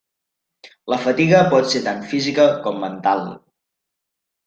La fatiga pot ser tant física com mental.